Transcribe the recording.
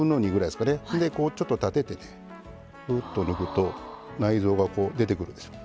こうちょっと立ててねぐっと抜くと内臓がこう出てくるんです。